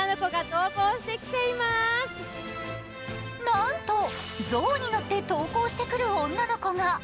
なんと、象に乗って登校してくる女の子が。